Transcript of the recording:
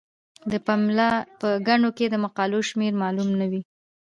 د پملا په ګڼو کې د مقالو شمیر معلوم نه وي.